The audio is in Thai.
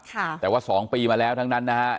แต่ว่า๒ปีมาแล้วทั้งนั้นนะฮะ